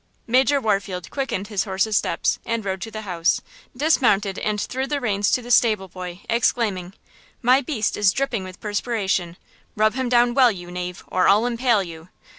Major Warfield quickened his horse's steps and rode to the house, dismounted and threw the reins to the stable boy, exclaiming: "My beast is dripping with perspiration–rub him down well, you knave, or I'll impale you!"